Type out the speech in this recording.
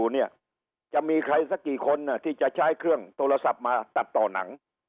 เนี่ยจะมีใครสักกี่คนที่จะใช้เครื่องโทรศัพท์มาตัดต่อหนัง